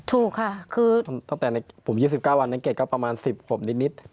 ถูกค่ะคือตั้งแต่ในผมยี่สิบเก้าวันนักเกียจก็ประมาณสิบผมนิดนิด